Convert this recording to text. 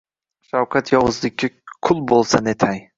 Shafqat yovuzlikka qul bo‘lsa, netay?